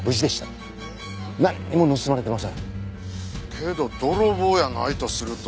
けど泥棒やないとすると。